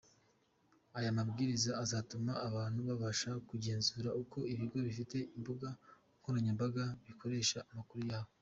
Aya mabwiriza azatuma abantu babasha kugenzura uko ibigo bifite imbuga nkoranyambaga bikoresha amakuru yabo.